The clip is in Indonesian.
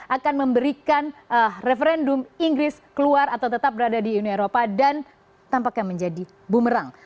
akan memberikan referendum inggris keluar atau tetap berada di uni eropa dan tampaknya menjadi bumerang